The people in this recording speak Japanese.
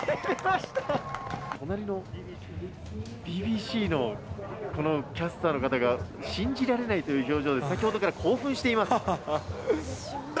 隣のＢＢＣのキャスターの方が、信じられないという表情で、先ほどから興奮しています。